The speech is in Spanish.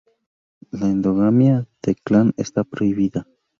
La endogamia de clan está prohibida.